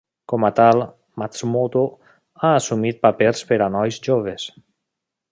Com a tal, Matsumoto ha assumit papers per a nois joves.